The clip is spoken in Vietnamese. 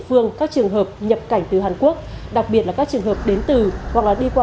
phương các trường hợp nhập cảnh từ hàn quốc đặc biệt là các trường hợp đến từ hoặc đi qua